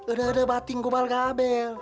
udah batin gubal gabel